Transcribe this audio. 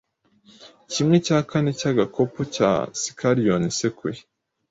Kimwe cya kane cy’agakopo ka scallions isekuye,